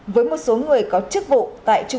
với một số người có chức vụ tại trung ương